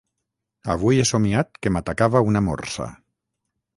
Avui he somiat que m'atacava una morsa.